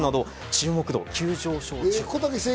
注目度急上昇中です。